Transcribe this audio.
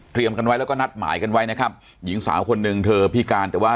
เขาไปใช้หนี้ส่วนตัว